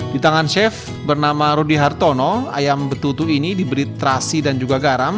di tangan chef bernama rudy hartono ayam betutu ini diberi terasi dan juga garam